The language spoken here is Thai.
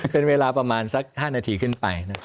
เป็นเวลาประมาณสัก๕นาทีขึ้นไป